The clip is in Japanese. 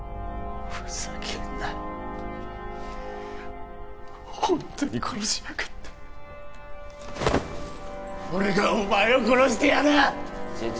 ふざけんなホントに殺しやがって俺がお前を殺してやるシチ